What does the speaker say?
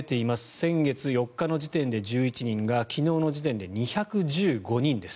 先月４日の時点で１１人が昨日の時点で２１５人です。